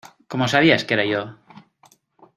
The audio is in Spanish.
¿ Cómo sabías que era yo?